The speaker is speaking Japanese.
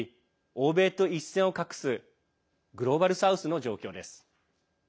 欧米と一線を画すグローバル・サウスの状況です。